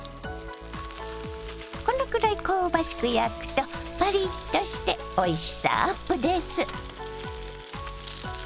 このくらい香ばしく焼くとパリッとしておいしさアップです。